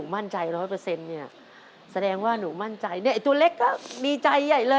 มั่นใจ๑๐๐ค่ะ